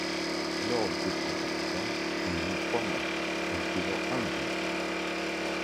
Lors de cette compétition, il joue trois matchs, inscrivant un but.